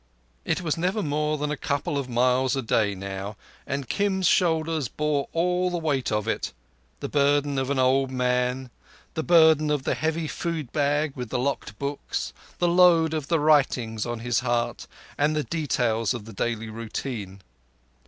It was never more than a couple of miles a day now, and Kim's shoulders bore all the weight of it—the burden of an old man, the burden of the heavy food bag with the locked books, the load of the writings on his heart, and the details of the daily routine.